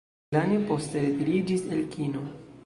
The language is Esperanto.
Lane poste retiriĝis el kino.